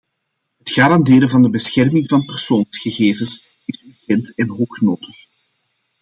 Het garanderen van de bescherming van persoonsgegevens is urgent en hoognodig.